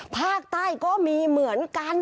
ภาคใต้ก็มีเหมือนกัน